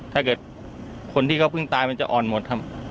ถ้าเกิดคนที่พึ่งตายจะอ่อนหมดครับ